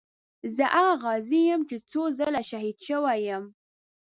زه هغه غازي یم چې څو ځله شهید شوی یم.